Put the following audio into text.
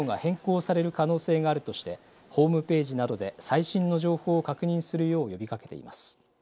航空各社は今後、運航状況が変更される可能性があるとしてホームページなどで最新の情報を確認するよう呼びかけています。